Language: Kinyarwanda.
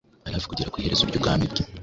ari hafi kugera ku iherezo ry’ubwami bwe,